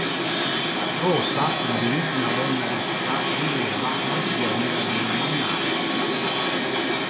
Rosa, divenuta una donna ricca, rileva l'azienda dei Linares.